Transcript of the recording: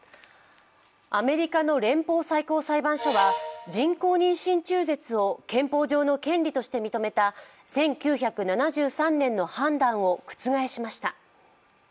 アメリカの連邦最高裁判所は人工妊娠中絶を憲法上の権利として認めた１９７３年の判断を覆しました。